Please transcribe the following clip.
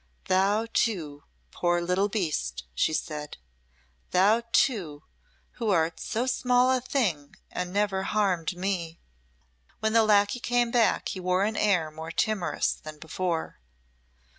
"Thou too, poor little beast," she said. "Thou too, who art so small a thing and never harmed me." When the lacquey came back he wore an air more timorous than before.